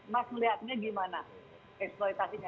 mas melihatnya gimana eksploitasinya